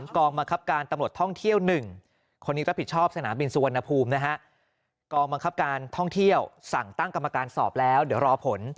คนนี้ก็ผิดชอบสนามบินสุวรรณภูมินะฮะกองบังคับการท่องเที่ยวสั่งตั้งกรรมการสอบแล้วเดี๋ยวรอผล